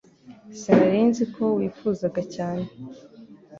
Sinari nzi ko wifuzaga cyane